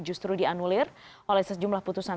justru dianulir oleh sejumlah putusan